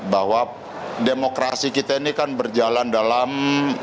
bahwa demokrasi kita ini kan berjalan dalam